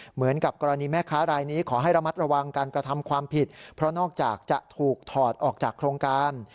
เหมือนกับกรณีแม่ค้ารายนี้ขอให้ระมัดระวังการกระทำความผิดเพราะนอกจากจะถูกถอดออกจากโครงการ